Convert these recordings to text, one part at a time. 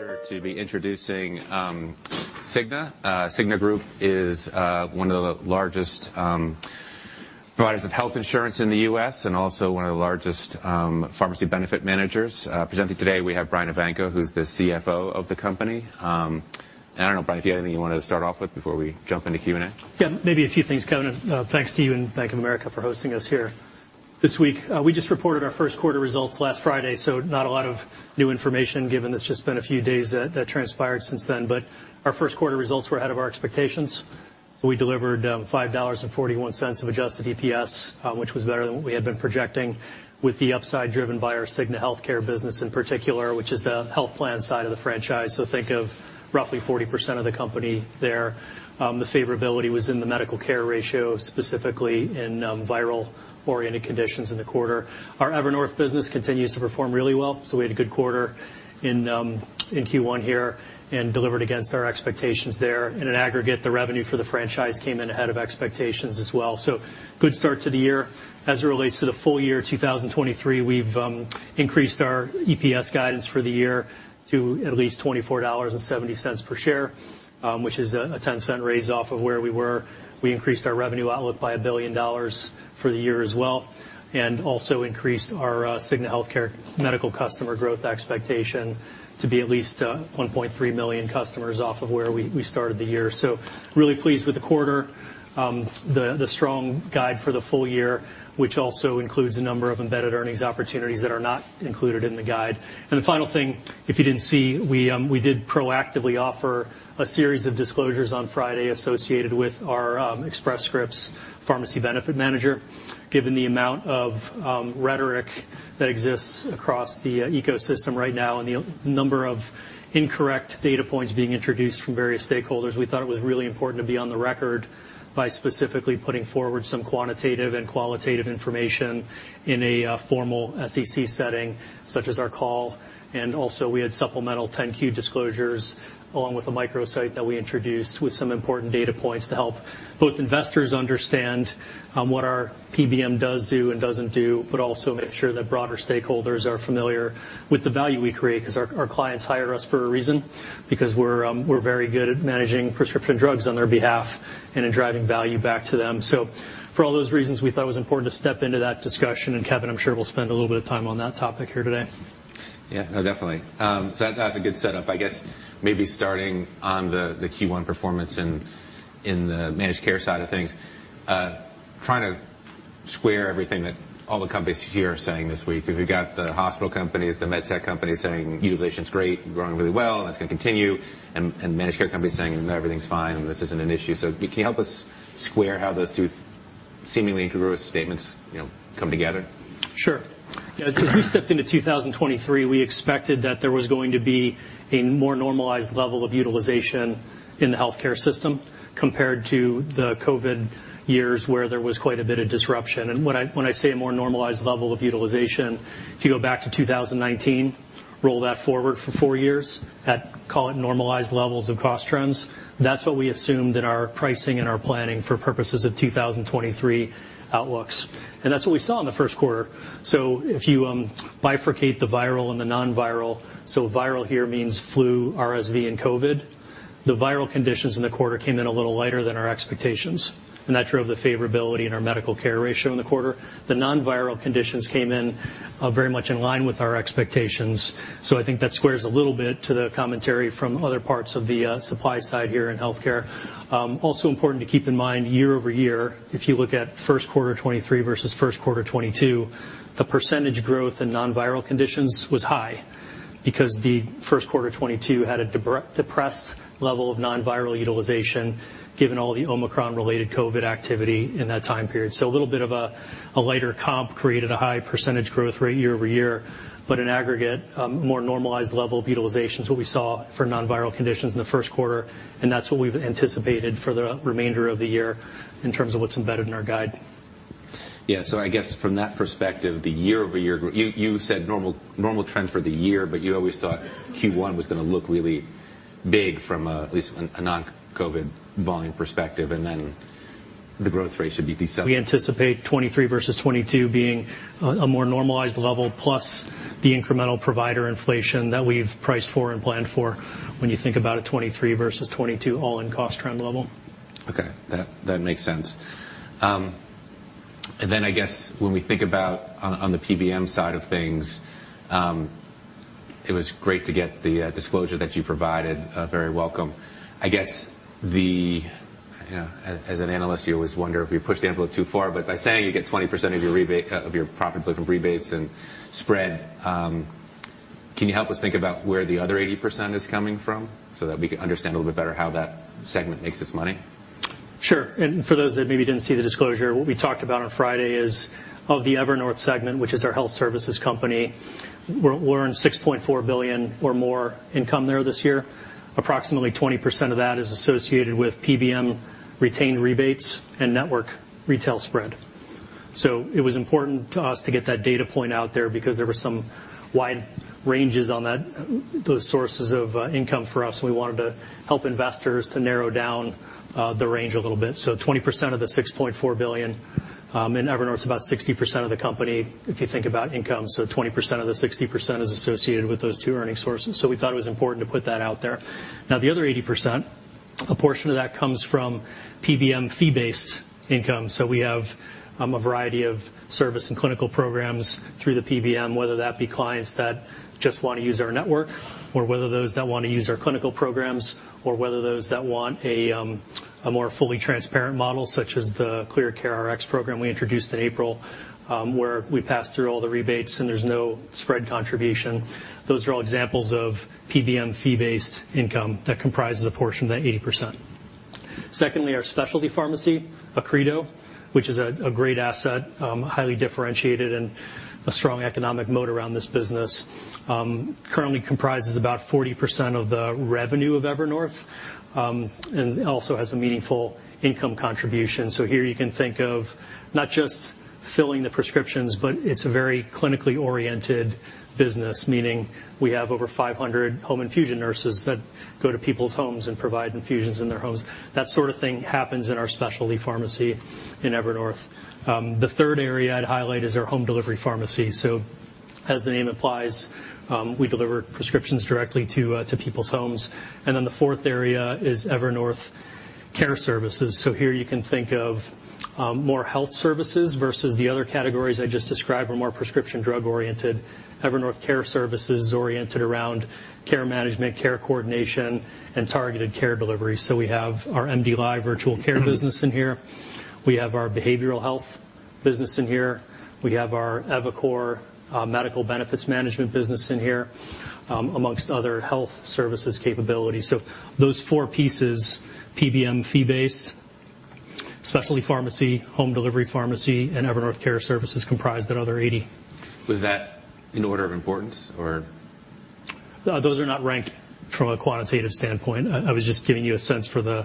Pleasure to be introducing Cigna. The Cigna Group is one of the largest providers of health insurance in the U.S. and also one of the largest pharmacy benefit managers. Presenting today, we have Brian Evanko, who's the CFO of the company. I don't know, Brian, do you have anything you wanna start off with before we jump into Q&A? Maybe a few things, Kevin. Thanks to you and Bank of America for hosting us here this week. We just reported our first quarter results last Friday, not a lot of new information given it's just been a few days that transpired since then. Our first quarter results were ahead of our expectations. We delivered $5.41 of adjusted EPS, which was better than what we had been projecting, with the upside driven by our Cigna Healthcare business in particular, which is the health plan side of the franchise. Sp think of roughly 40% of the company there. The favorability was in the medical care ratio, specifically in viral-oriented conditions in the quarter. Our Evernorth business continues to perform really well. We had a good quarter in Q1 here and delivered against our expectations there. In an aggregate, the revenue for the franchise came in ahead of expectations as well. Good start to the year. As it relates to the full year, 2023, we've increased our EPS guidance for the year to at least $24.70 per share, which is a $0.10 raise off of where we were. We increased our revenue outlook by $1 billion for the year as well, and also increased our Cigna Healthcare medical customer growth expectation to be at least 1.3 million customers off of where we started the year. Really pleased with the quarter, the strong guide for the full year, which also includes a number of embedded earnings opportunities that are not included in the guide. The final thing, if you didn't see, we did proactively offer a series of disclosures on Friday associated with our Express Scripts Pharmacy benefit manager. Given the amount of rhetoric that exists across the ecosystem right now, and the number of incorrect data points being introduced from various stakeholders, we thought it was really important to be on the record by specifically putting forward some quantitative and qualitative information in a formal SEC setting, such as our call. Also, we had supplemental 10-Q disclosures along with a microsite that we introduced with some important data points to help both investors understand what our PBM does do and doesn't do, but also make sure that broader stakeholders are familiar with the value we create 'cause our clients hire us for a reason, because we're very good at managing prescription drugs on their behalf and in driving value back to them. For all those reasons, we thought it was important to step into that discussion. Kevin, I'm sure we'll spend a little bit of time on that topic here today. Yeah. No, definitely. So that's a good setup. I guess maybe starting on the Q1 performance in the managed care side of things, trying to square everything that all the companies here are saying this week. If you've got the hospital companies, the med tech companies saying utilization's great and growing really well, and that's gonna continue, and managed care companies saying everything's fine and this isn't an issue. Can you help us square how those two seemingly incongruous statements, you know, come together? Sure. As we stepped into 2023, we expected that there was going to be a more normalized level of utilization in the healthcare system compared to the COVID years, where there was quite a bit of disruption. When I, when I say a more normalized level of utilization, if you go back to 2019, roll that forward for four years at, call it, normalized levels of cost trends, that's what we assumed in our pricing and our planning for purposes of 2023 outlooks. That's what we saw in the Q1. If you bifurcate the viral and the non-viral, so viral here means flu, RSV, and COVID. The viral conditions in the quarter came in a little lighter than our expectations, and that drove the favorability in our medical care ratio in the quarter. The non-viral conditions came in very much in line with our expectations. I think that squares a little bit to the commentary from other parts of the supply side here in healthcare. Also important to keep in mind year-over-year, if you look at first quarter 2023 versus first quarter 2022, the percentage growth in non-viral conditions was high because the first quarter 2022 had a depressed level of non-viral utilization, given all the Omicron-related COVID activity in that time period. A little bit of a lighter comp created a high percentage growth rate year-over-year, but in aggregate, more normalized level of utilization is what we saw for non-viral conditions in the first quarter, and that's what we've anticipated for the remainder of the year in terms of what's embedded in our guide. Yeah. I guess from that perspective, the year-over-year you said normal trends for the year, but you always thought Q1 was gonna look really big from, at least a non-COVID volume perspective, and then the growth rate should be decent. We anticipate 2023 versus 2022 being a more normalized level, plus the incremental provider inflation that we've priced for and planned for when you think about a 2023 versus 2022 all-in cost trend level. Okay. That makes sense. I guess when we think about on the PBM side of things, it was great to get the disclosure that you provided. Very welcome. I guess as an analyst, you always wonder if you pushed the envelope too far, by saying you get 20% of your rebate of your profit input from rebates and spread, can you help us think about where the other 80% is coming from so that we can understand a little bit better how that segment makes its money? Sure. For those that maybe didn't see the disclosure, what we talked about on Friday is of the Evernorth segment, which is our health services company, we're in $6.4 billion or more income there this year. Approximately 20% of that is associated with PBM retained rebates and network retail spread. It was important to us to get that data point out there because there were some wide ranges on that, those sources of income for us. We wanted to help investors to narrow down the range a little bit. 20% of the $6.4 billion in Evernorth is about 60% of the company if you think about income, so 20% of the 60% is associated with those two earning sources. We thought it was important to put that out there. The other 80% portion of that comes from PBM fee-based income. We have a variety of service and clinical programs through the PBM, whether that be clients that just wanna use our network or whether those that wanna use our clinical programs or whether those that want a more fully transparent model, such as the ClearCareRx program we introduced in April, where we pass through all the rebates, and there's no spread contribution. Those are all examples of PBM fee-based income that comprises a portion of that 80%. Secondly, our specialty pharmacy, Accredo, which is a great asset, highly differentiated and a strong economic moat around this business, currently comprises about 40% of the revenue of Evernorth, and also has a meaningful income contribution. Here you can think of not just filling the prescriptions, but it's a very clinically oriented business, meaning we have over 500 home infusion nurses that go to people's homes and provide infusions in their homes. That sort of thing happens in our specialty pharmacy in Evernorth. The third area I'd highlight is our home delivery pharmacy. As the name implies, we deliver prescriptions directly to people's homes. The fourth area is Evernorth Care Services. Here you can think of more health services versus the other categories I just described are more prescription drug oriented. Evernorth Care Services is oriented around care management, care coordination, and targeted care delivery. We have our MDLIVE virtual care business in here. We have our behavioral health business in here. We have our eviCore, medical benefits management business in here, amongst other health services capabilities. Those four pieces, PBM fee-based, specialty pharmacy, home delivery pharmacy, and Evernorth Care Services comprise that other 80. Was that in order of importance or? Those are not ranked from a quantitative standpoint. I was just giving you a sense for the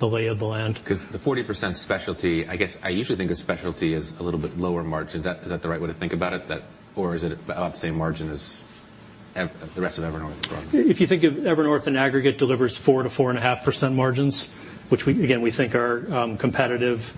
lay of the land. Cause the 40% specialty, I guess I usually think of specialty as a little bit lower margin. Is that the right way to think about it? Is it about the same margin as the rest of Evernorth is running? If you think of Evernorth in aggregate delivers 4% to 4.5% margins, which again, we think are competitive,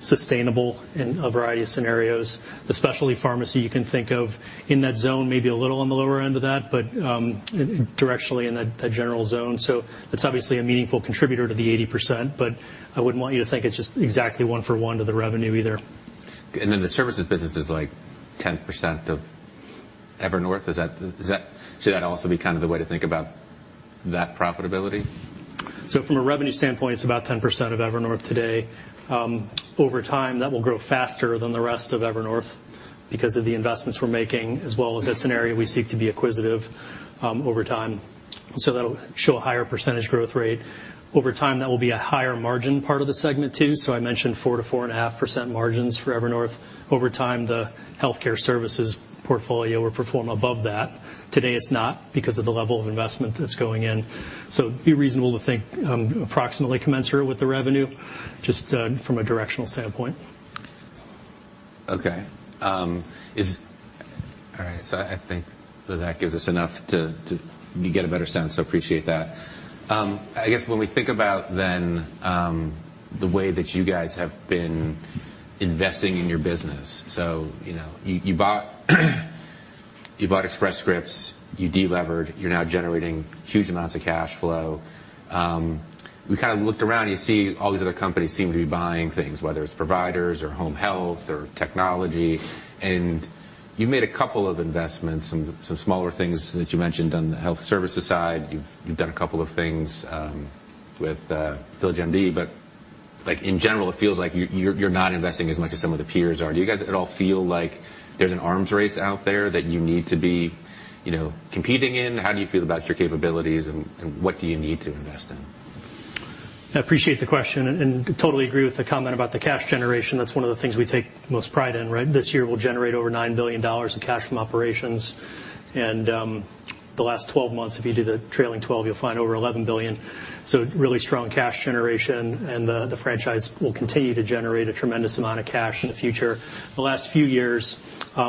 sustainable in a variety of scenarios. The specialty pharmacy you can think of in that zone, maybe a little on the lower end of that, but directionally in that general zone. It's obviously a meaningful contributor to the 80%, but I wouldn't want you to think it's just exactly one-for-one to the revenue either. Then the services business is, like, 10% of Evernorth. Should that also be kind of the way to think about that profitability? From a revenue standpoint, it's about 10% of Evernorth today. Over time, that will grow faster than the rest of Evernorth because of the investments we're making, as well as that's an area we seek to be acquisitive over time. That'll show a higher percentage growth rate. Over time, that will be a higher margin part of the segment, too. I mentioned 4%-4.5% margins for Evernorth. Over time, the healthcare services portfolio will perform above that. Today, it's not because of the level of investment that's going in. It'd be reasonable to think, approximately commensurate with the revenue, just from a directional standpoint. Okay. All right. I think that that gives us enough to get a better sense, so appreciate that. I guess when we think about then, the way that you guys have been investing in your business. You know, you bought Express Scripts, you de-levered, you're now generating huge amounts of cash flow. We kind of looked around, you see all these other companies seem to be buying things, whether it's providers or home health or technology, and you made a couple of investments and some smaller things that you mentioned on the health services side. You've done a couple of things with VillageMD, but, like, in general, it feels like you're not investing as much as some of the peers are. Do you guys at all feel like there's an arms race out there that you need to be, you know, competing in? How do you feel about your capabilities, and what do you need to invest in? I appreciate the question and totally agree with the comment about the cash generation. That's one of the things we take most pride in, right? This year, we'll generate over $9 billion in cash from operations. The last 12 months, if you do the trailing 12, you'll find over $11 billion. Really strong cash generation, and the franchise will continue to generate a tremendous amount of cash in the future. The last few years,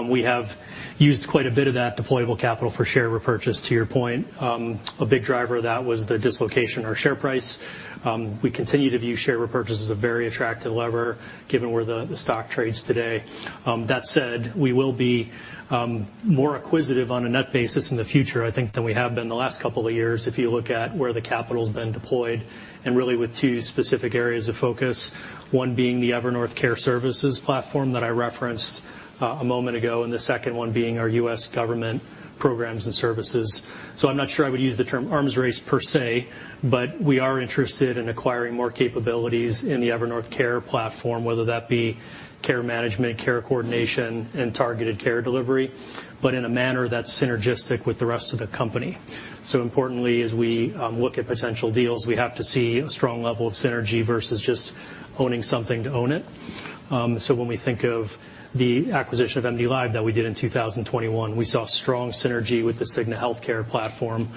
we have used quite a bit of that deployable capital for share repurchase, to your point. A big driver of that was the dislocation or share price. We continue to view share repurchase as a very attractive lever given where the stock trades today. That said, we will be more acquisitive on a net basis in the future, I think, than we have been the last couple of years, if you look at where the capital's been deployed, and really with two specific areas of focus, one being the Evernorth Care Group platform that I referenced a moment ago, and the second one being our U.S. government programs and services. I'm not sure I would use the term arms race per se, but we are interested in acquiring more capabilities in the Evernorth Care platform, whether that be care management, care coordination, and targeted care delivery, but in a manner that's synergistic with the rest of the company. Importantly, as we look at potential deals, we have to see a strong level of synergy versus just owning something to own it. When we think of the acquisition of MDLIVE that we did in 2021, we saw strong synergy with the Cigna Healthcare platform.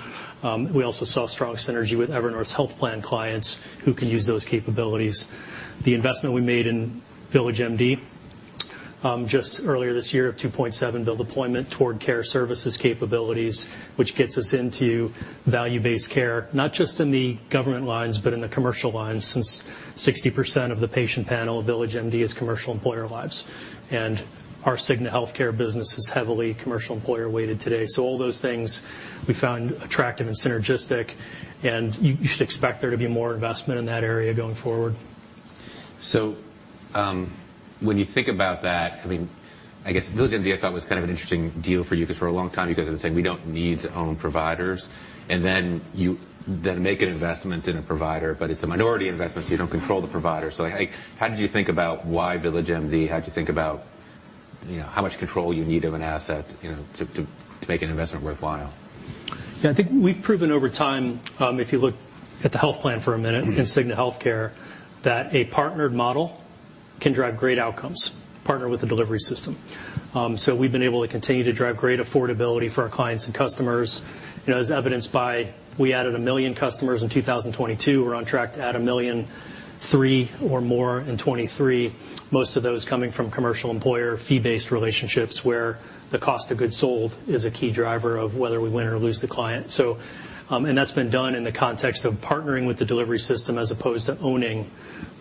We also saw strong synergy with Evernorth's health plan clients who can use those capabilities. The investment we made in VillageMD just earlier this year of $2.7 billion deployment toward care services capabilities, which gets us into value-based care, not just in the government lines, but in the commercial lines, since 60% of the patient panel of VillageMD is commercial employer lives. Our Cigna Healthcare business is heavily commercial employer weighted today. All those things we found attractive and synergistic, and you should expect there to be more investment in that area going forward. When you think about that, I mean, I guess VillageMD I thought was kind of an interesting deal for you 'cause for a long time you guys have been saying, "We don't need to own providers." Then you then make an investment in a provider, but it's a minority investment, so you don't control the provider. Like, how did you think about why VillageMD? How'd you think about, you know, how much control you need of an asset, you know, to make an investment worthwhile? Yeah. I think we've proven over time, if you look at the health plan for a minute. Mm-hmm. In Cigna Healthcare, that a partnered model can drive great outcomes, partner with a delivery system. we've been able to continue to drive great affordability for our clients and customers, you know, as evidenced by we added 1 million customers in 2022. We're on track to add 1.3 million or more in 2023, most of those coming from commercial employer fee-based relationships where the cost of goods sold is a key driver of whether we win or lose the client. That's been done in the context of partnering with the delivery system as opposed to owning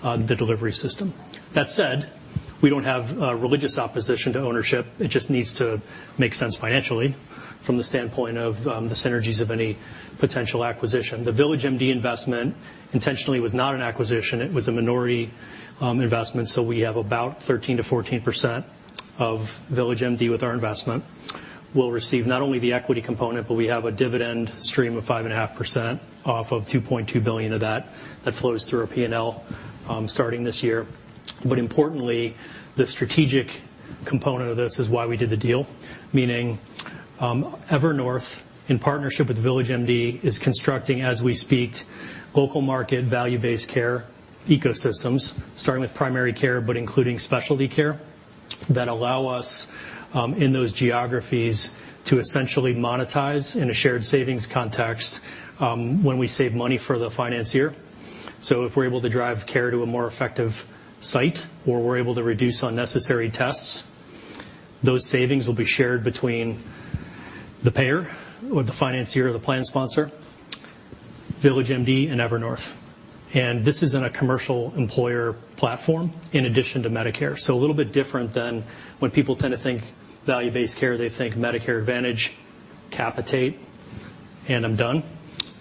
the delivery system. That said, we don't have a religious opposition to ownership. It just needs to make sense financially from the standpoint of the synergies of any potential acquisition. The VillageMD investment intentionally was not an acquisition. It was a minority investment, so we have about 13%-14% of VillageMD with our investment. We'll receive not only the equity component, but we have a dividend stream of 5.5% off of $2.2 billion of that. That flows through our P&L starting this year. Importantly, the strategic component of this is why we did the deal, meaning, Evernorth in partnership with VillageMD is constructing, as we speak, local market value-based care ecosystems, starting with primary care but including specialty care, that allow us in those geographies to essentially monetize in a shared savings context, when we save money for the financier. If we're able to drive care to a more effective site, or we're able to reduce unnecessary tests, those savings will be shared between the payer or the financier or the plan sponsor, VillageMD, and Evernorth. This is in a commercial employer platform in addition to Medicare. A little bit different than when people tend to think value-based care, they think Medicare Advantage, capitate, and I'm done.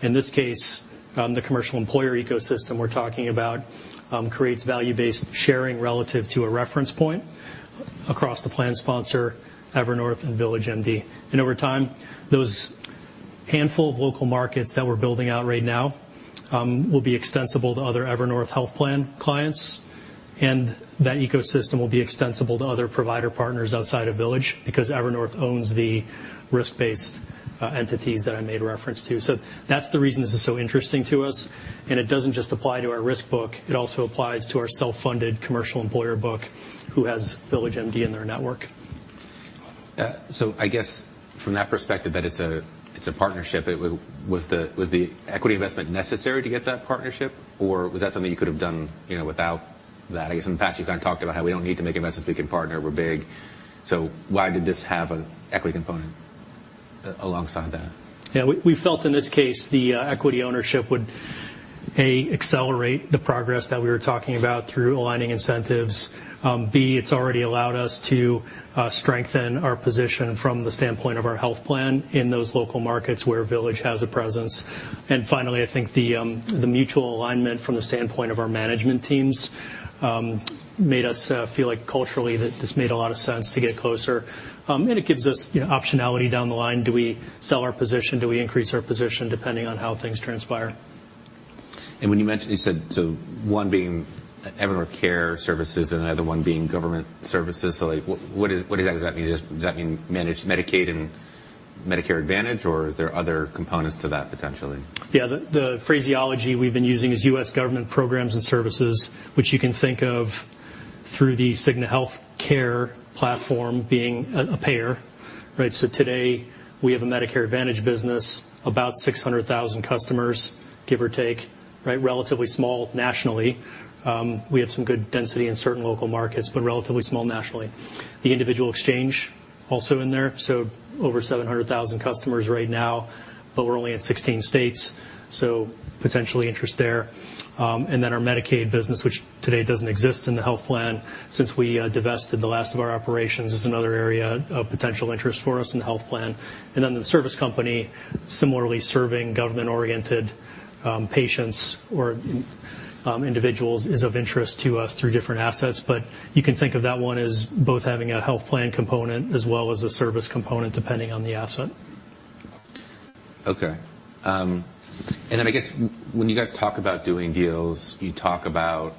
In this case, the commercial employer ecosystem we're talking about, creates value-based sharing relative to a reference point across the plan sponsor, Evernorth, and VillageMD. Over time, those handful of local markets that we're building out right now, will be extensible to other Evernorth health plan clients, and that ecosystem will be extensible to other provider partners outside of Village because Evernorth owns the risk-based entities that I made a reference to. That's the reason this is so interesting to us, and it doesn't just apply to our risk book. It also applies to our self-funded commercial employer book, who has VillageMD in their network. I guess from that perspective that it's a, it's a partnership. It was the equity investment necessary to get that partnership, or was that something you could have done, you know, without that? I guess in the past you kind of talked about how we don't need to make investments. We can partner. We're big. Why did this have an equity component alongside that? Yeah. We felt in this case the equity ownership would, A, accelerate the progress that we were talking about through aligning incentives. B, it's already allowed us to strengthen our position from the standpoint of our health plan in those local markets where Village has a presence. Finally, I think the mutual alignment from the standpoint of our management teams made us feel like culturally that this made a lot of sense to get closer. It gives us, you know, optionality down the line. Do we sell our position? Do we increase our position depending on how things transpire? When you mentioned, you said so one being Evernorth care services and the other one being government services. Like, what does that mean? Does that mean managed Medicaid and Medicare Advantage, or are there other components to that potentially? The phraseology we've been using is U.S. government programs and services, which you can think of through the Cigna Healthcare platform being a payer. Right? Today we have a Medicare Advantage business, about 600,000 customers, give or take. Right? Relatively small nationally. We have some good density in certain local markets, but relatively small nationally. The individual exchange also in there, over 700,000 customers right now, but we're only in 16 states, so potentially interest there. Our Medicaid business, which today doesn't exist in the health plan since we divested the last of our operations, is another area of potential interest for us in the health plan. The service company similarly serving government-oriented patients or individuals is of interest to us through different assets. You can think of that one as both having a health plan component as well as a service component, depending on the asset. Okay. I guess when you guys talk about doing deals, you talk about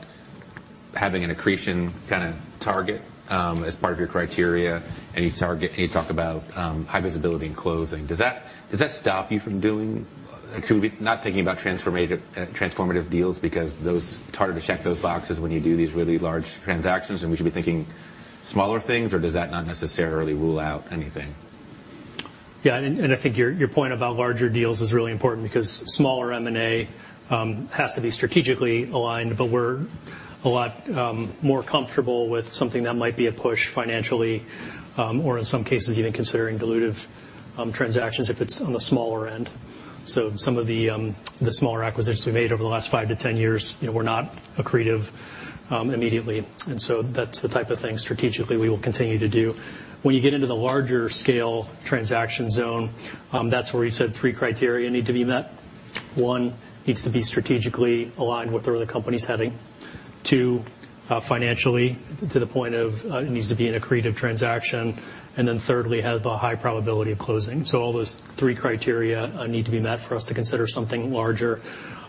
having an accretion kinda target, as part of your criteria, and you target you talk about, high visibility in closing. Does that stop you from doing not thinking about transformative deals because those It's harder to check those boxes when you do these really large transactions, and we should be thinking smaller things, or does that not necessarily rule out anything? Yeah. I think your point about larger deals is really important because smaller M&A has to be strategically aligned, but we're a lot more comfortable with something that might be a push financially or in some cases even considering dilutive transactions if it's on the smaller end. Some of the smaller acquisitions we made over the last 5-10 years, you know, were not accretive immediately. That's the type of thing strategically we will continue to do. When you get into the larger scale transaction zone, that's where we said three criteria need to be met. One, needs to be strategically aligned with where the company's heading. Two, financially to the point of, it needs to be an accretive transaction. Thirdly, have a high probability of closing. All those three criteria need to be met for us to consider something larger.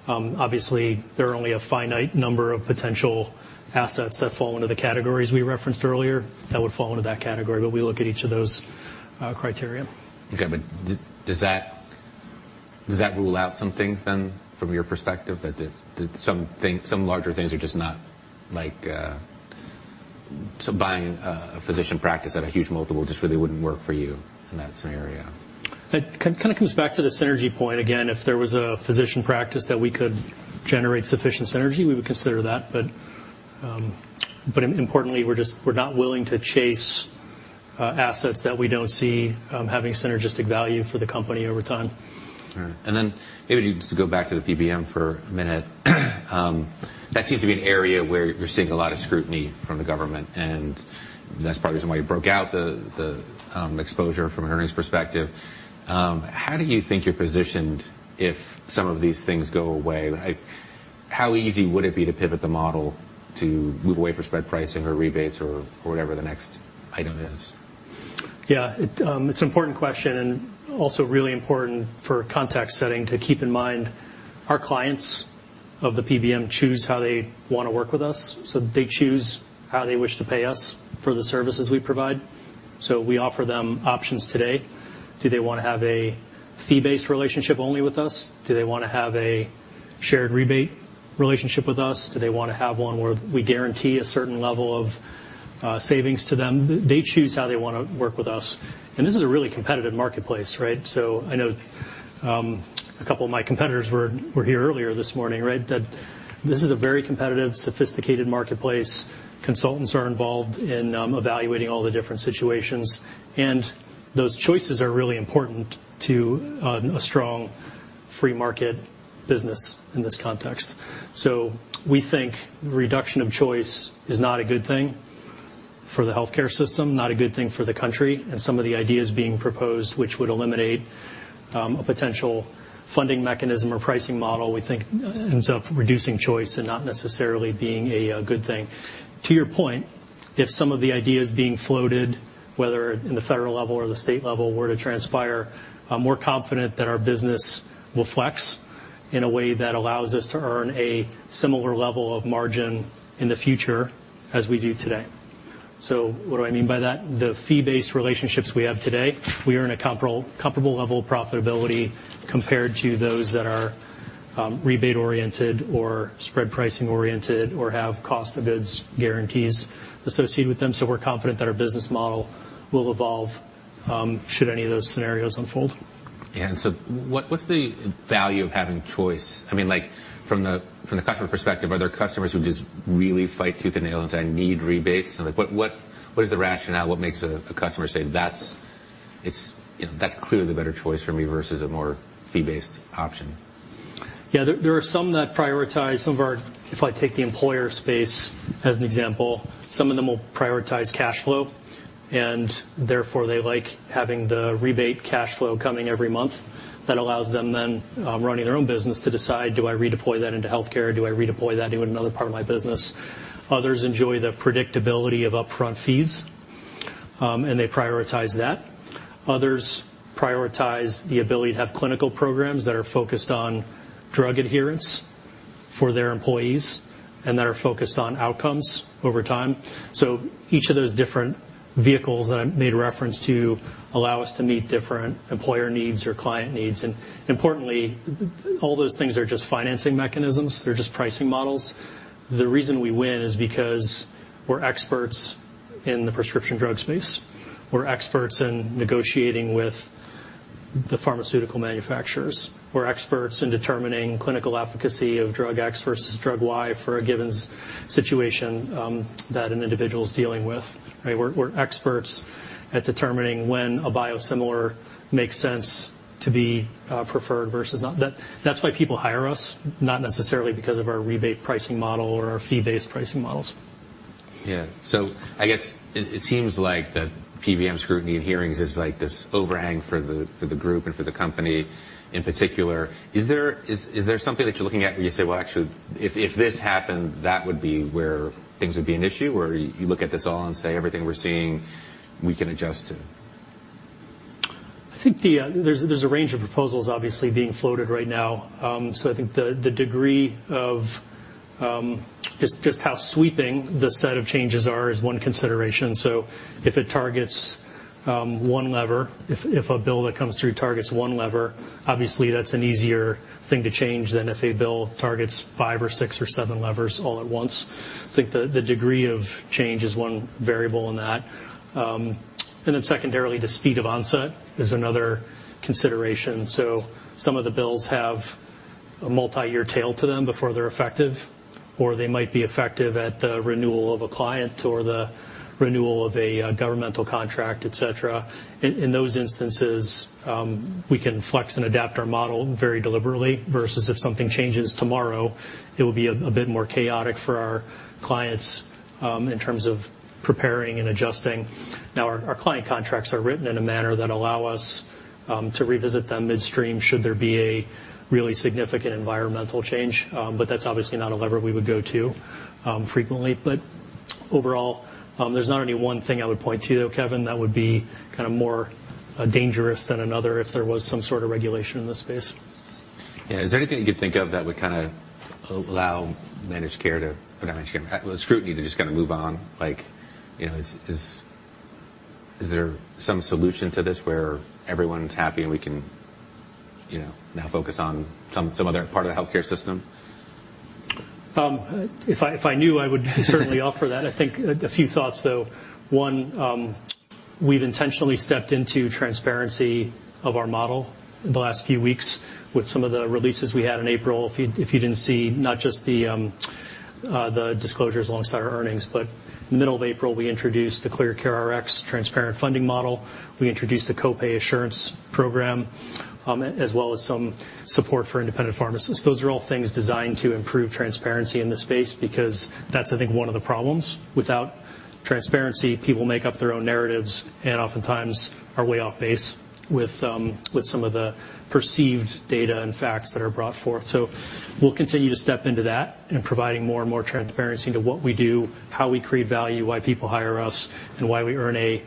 Obviously, there are only a finite number of potential assets that fall into the categories we referenced earlier that would fall into that category, but we look at each of those criteria. Does that, does that rule out some things then from your perspective that some larger things are just not like, buying a physician practice at a huge multiple just really wouldn't work for you in that scenario? It kinda comes back to the synergy point. Again, if there was a physician practice that we could generate sufficient synergy, we would consider that. Importantly, we're not willing to chase assets that we don't see having synergistic value for the company over time. All right. Maybe just to go back to the PBM for a minute. That seems to be an area where you're seeing a lot of scrutiny from the government, and that's probably why you broke out the exposure from an earnings perspective. How do you think you're positioned if some of these things go away? Like, how easy would it be to pivot the model to move away from spread pricing or rebates or whatever the next item is? Yeah. It's an important question, and also really important for context setting to keep in mind our clients of the PBM choose how they wanna work with us, so they choose how they wish to pay us for the services we provide. We offer them options today. Do they wanna have a fee-based relationship only with us? Do they wanna have a shared rebate relationship with us? Do they wanna have one where we guarantee a certain level of savings to them? They choose how they wanna work with us. This is a really competitive marketplace, right? I know, a couple of my competitors were here earlier this morning, right? That this is a very competitive, sophisticated marketplace. Consultants are involved in evaluating all the different situations, and those choices are really important to a strong free market business in this context. We think reduction of choice is not a good thing for the healthcare system, not a good thing for the country. Some of the ideas being proposed, which would eliminate a potential funding mechanism or pricing model, we think ends up reducing choice and not necessarily being a good thing. To your point, if some of the ideas being floated, whether in the federal level or the state level, were to transpire, I'm more confident that our business will flex in a way that allows us to earn a similar level of margin in the future as we do today. What do I mean by that? The fee-based relationships we have today, we earn a comparable level of profitability compared to those that are, rebate-oriented or spread pricing-oriented or have cost of goods guarantees associated with them. We're confident that our business model will evolve, should any of those scenarios unfold. What's the value of having choice? I mean, like, from the customer perspective, are there customers who just really fight tooth and nail and say, "I need rebates"? Like, what is the rationale? What makes a customer say that's clearly the better choice for me versus a more fee-based option? There are some that prioritize some of our... If I take the employer space as an example, some of them will prioritize cash flow, and therefore, they like having the rebate cash flow coming every month that allows them then, running their own business, to decide, "Do I redeploy that into healthcare? Do I redeploy that into another part of my business?" Others enjoy the predictability of upfront fees, and they prioritize that. Others prioritize the ability to have clinical programs that are focused on drug adherence for their employees and that are focused on outcomes over time. Each of those different vehicles that I made a reference to allow us to meet different employer needs or client needs. Importantly, all those things are just financing mechanisms. They're just pricing models. The reason we win is because we're experts in the prescription drug space. We're experts in negotiating with the pharmaceutical manufacturers. We're experts in determining clinical efficacy of drug X versus drug Y for a given situation that an individual is dealing with. We're experts at determining when a biosimilar makes sense to be preferred versus not. That's why people hire us, not necessarily because of our rebate pricing model or our fee-based pricing models. Yeah. I guess it seems like the PBM scrutiny and hearings is like this overhang for the group and for the company in particular. Is there something that you're looking at where you say, "Well, actually, if this happened, that would be where things would be an issue?" Or you look at this all and say, "Everything we're seeing we can adjust to. I think the, there's a range of proposals obviously being floated right now. I think the degree of just how sweeping the set of changes are is one consideration. If it targets one lever, if a bill that comes through targets one lever, obviously that's an easier thing to change than if a bill targets five or six or seven levers all at once. I think the degree of change is one variable in that. Secondarily, the speed of onset is another consideration. Some of the bills have a multi-year tail to them before they're effective, or they might be effective at the renewal of a client or the renewal of a governmental contract, et cetera. In those instances, we can flex and adapt our model very deliberately versus if something changes tomorrow, it will be a bit more chaotic for our clients in terms of preparing and adjusting. Now our client contracts are written in a manner that allow us to revisit them midstream should there be a really significant environmental change. That's obviously not a lever we would go to frequently. Overall, there's not any one thing I would point to though, Kevin, that would be kind of more dangerous than another if there was some sort of regulation in this space. Yeah. Is there anything you could think of that would kinda allow managed care. Well, scrutiny to just kinda move on? Like, you know, is there some solution to this where everyone's happy and we can, you know, now focus on some other part of the healthcare system? If I knew, I would certainly offer that. I think a few thoughts, though. One, we've intentionally stepped into transparency of our model the last few weeks with some of the releases we had in April. If you didn't see, not just the disclosures alongside our earnings, but middle of April we introduced the ClearCareRx transparent funding model, we introduced the Copay Assurance program, as well as some support for independent pharmacists. Those are all things designed to improve transparency in the space because that's, I think, one of the problems. Without transparency, people make up their own narratives and oftentimes are way off base with some of the perceived data and facts that are brought forth. We'll continue to step into that and providing more and more transparency into what we do, how we create value, why people hire us, and why we earn a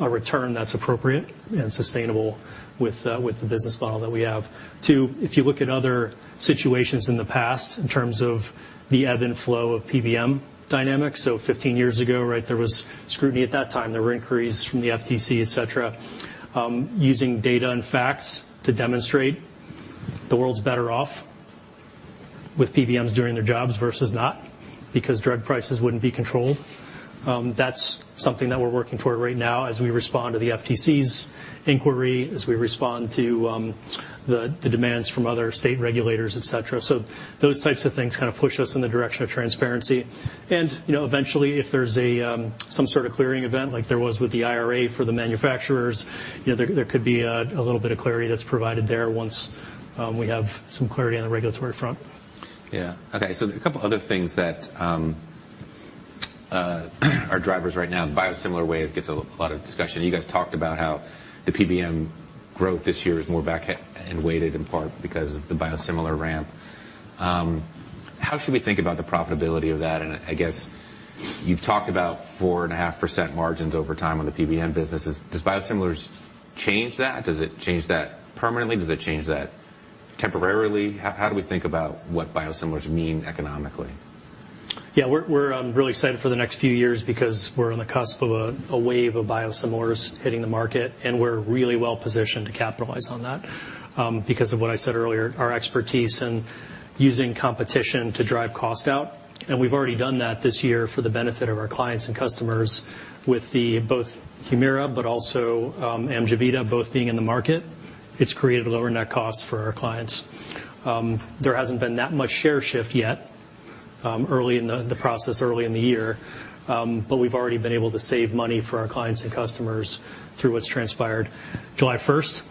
return that's appropriate and sustainable with the business model that we have. Two, if you look at other situations in the past in terms of the ebb and flow of PBM dynamics, so 15 years ago, right, there was scrutiny at that time. There were inquiries from the FTC, et cetera, using data and facts to demonstrate the world's better off with PBMs doing their jobs versus not, because drug prices wouldn't be controlled. That's something that we're working toward right now as we respond to the FTC's inquiry, as we respond to the demands from other state regulators, et cetera. Those types of things kind of push us in the direction of transparency. you know, eventually, if there's a some sort of clearing event, like there was with the IRA for the manufacturers, you know, there could be a little bit of clarity that's provided there once we have some clarity on the regulatory front. Okay, a couple other things that are drivers right now, biosimilar wave gets a lot of discussion. You guys talked about how the PBM growth this year is more back and weighted in part because of the biosimilar ramp. How should we think about the profitability of that? I guess you've talked about 4.5% margins over time on the PBM businesses. Does biosimilars change that? Does it change that permanently? Does it change that temporarily? How, how do we think about what biosimilars mean economically? Yeah. We're really excited for the next few years because we're on the cusp of a wave of biosimilars hitting the market, and we're really well positioned to capitalize on that because of what I said earlier, our expertise in using competition to drive cost out. We've already done that this year for the benefit of our clients and customers with the both Humira but also am gevita both being in the market. It's created lower net costs for our clients. There hasn't been that much share shift yet, early in the process, early in the year, but we've already been able to save money for our clients and customers through what's transpired. July 1st,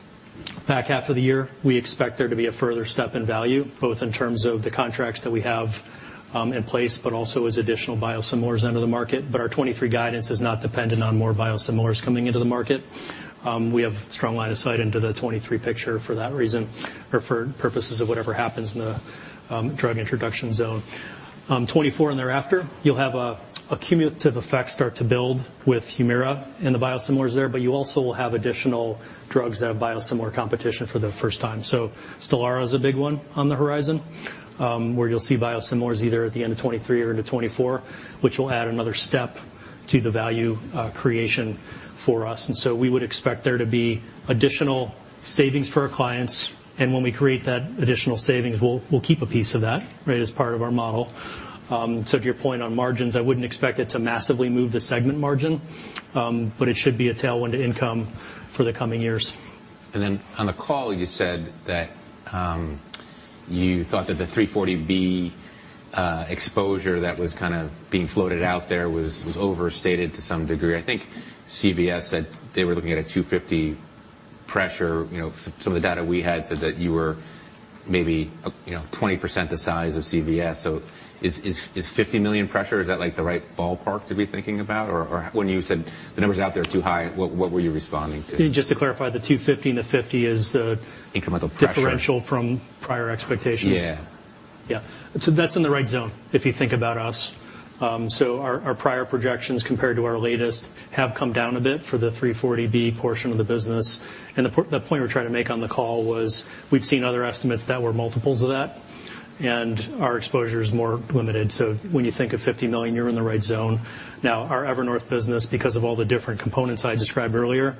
back half of the year, we expect there to be a further step in value, both in terms of the contracts that we have in place, but also as additional biosimilars enter the market. Our 2023 guidance is not dependent on more biosimilars coming into the market. We have strong line of sight into the 2023 picture for that reason, or for purposes of whatever happens in the drug introduction zone. 2024 and thereafter, you'll have a cumulative effect start to build with Humira and the biosimilars there, but you also will have additional drugs that have biosimilar competition for the first time. Stelara's a big one on the horizon, where you'll see biosimilars either at the end of 2023 or into 2024, which will add another step to the value creation for us. We would expect there to be additional savings for our clients, and when we create that additional savings, we'll keep a piece of that, right, as part of our model. To your point on margins, I wouldn't expect it to massively move the segment margin, but it should be a tailwind to income for the coming years. On the call you said that you thought that the 340B exposure that was kinda being floated out there was overstated to some degree. I think CVS said they were looking at a $250 million pressure. You know, some of the data we had said that you were maybe, you know, 20% the size of CVS. Is $50 million pressure, is that, like, the right ballpark to be thinking about? When you said the numbers out there are too high, what were you responding to? Just to clarify, the $250 and the $50 is the Increment of depth. differential from prior expectations. Yeah. That's in the right zone if you think about us. Our prior projections compared to our latest have come down a bit for the 340B portion of the business. The point we're trying to make on the call was we've seen other estimates that were multiples of that, and our exposure is more limited. When you think of $50 million, you're in the right zone. Our Evernorth business, because of all the different components I described earlier,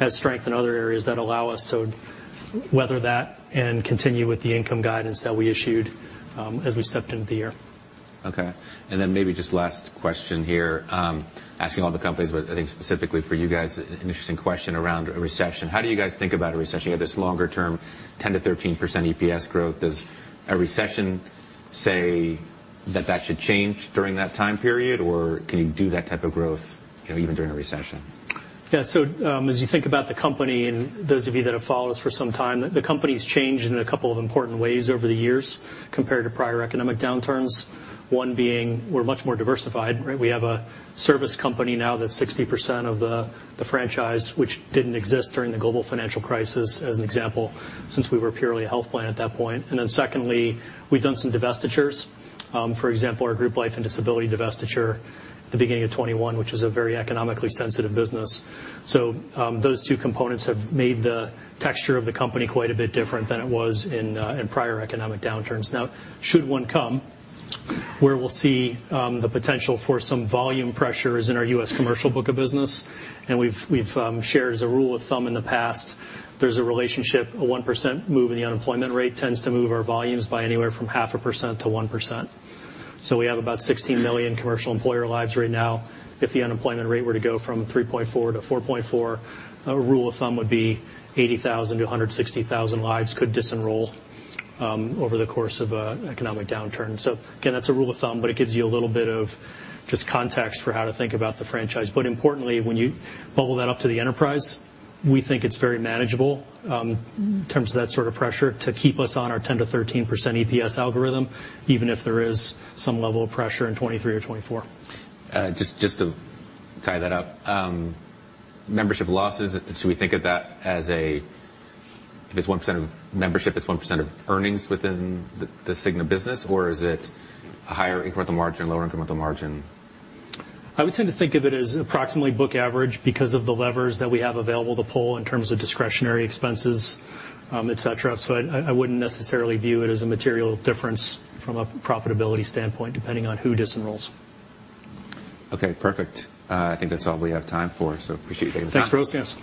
has strength in other areas that allow us to weather that and continue with the income guidance that we issued as we stepped into the year. Okay. Maybe just last question here. Asking all the companies, I think specifically for you guys, an interesting question around a recession. How do you guys think about a recession? You have this longer term 10%-13% EPS growth. Does a recession, say, that that should change during that time period, or can you do that type of growth, you know, even during a recession? Yeah. As you think about the company, and those of you that have followed us for some time, the company's changed in a couple of important ways over the years compared to prior economic downturns. One being we're much more diversified, right? We have a service company now that's 60% of the franchise which didn't exist during the global financial crisis, as an example, since we were purely a health plan at that point. Secondly, we've done some divestitures. For example, our group life and disability divestiture at the beginning of 2021, which is a very economically sensitive business. Those two components have made the texture of the company quite a bit different than it was in prior economic downturns. Should one come, where we'll see the potential for some volume pressures in our U.S. commercial book of business, and we've shared as a rule of thumb in the past, there's a relationship. A 1% move in the unemployment rate tends to move our volumes by anywhere from 0.5% to 1%. We have about 16 million commercial employer lives right now. If the unemployment rate were to go from 3.4 to 4.4, a rule of thumb would be 80,000 to 160,000 lives could disenroll over the course of an economic downturn. Again, that's a rule of thumb, but it gives you a little bit of just context for how to think about the franchise. Importantly, when you bubble that up to the enterprise, we think it's very manageable in terms of that sort of pressure to keep us on our 10% to 13% EPS algorithm, even if there is some level of pressure in 2023 or 2024. Just to tie that up, membership losses, should we think of that as a it's 1% of membership, it's 1% of earnings within the Cigna business, or is it a higher incremental margin, lower incremental margin? I would tend to think of it as approximately book average because of the levers that we have available to pull in terms of discretionary expenses, et cetera. I wouldn't necessarily view it as a material difference from a profitability standpoint, depending on who disenrolls. Okay, perfect. I think that's all we have time for. Appreciate you taking the time. Thanks for hosting us.